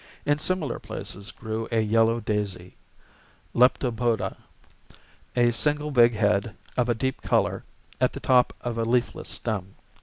In similar places grew a "yellow daisy" (Leptopoda), a single big head, of a deep color, at the top of a leafless stem.